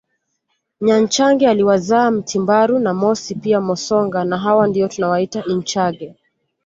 Nyanchage aliwazaa Mtimbaru na Mosi pia Mosonga na hawa ndio tunawaita inchage